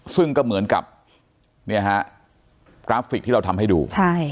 ซึ่งก็เหมือนกับเนี่ยฮะกราฟิกที่เราทำให้ดู